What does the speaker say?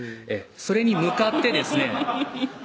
それに向かってですね